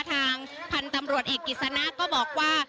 ทางพันธุ์ตำรวจเอกกิจสนะก็บอกว่า